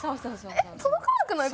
えっ届かなくない？